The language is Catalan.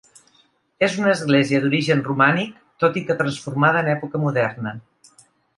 És una església d'origen romànic, tot i que transformada en època moderna.